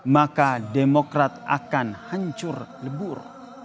maka demokrat akan hancur lebur